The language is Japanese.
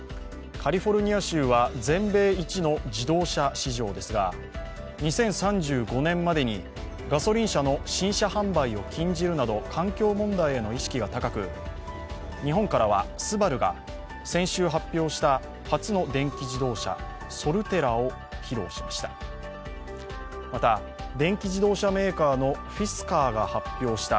カリフォルニア州は全米一の自動車市場ですが２０３５年までにガソリン車の新車販売を禁じるなど、環境問題への意識が高く、日本からはＳＵＢＡＲＵが先週発表した初の電気自動車、ソルテラを披露しました。